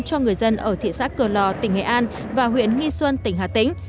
cho người dân ở thị xã cửa lò tỉnh nghệ an và huyện nghi xuân tỉnh hà tĩnh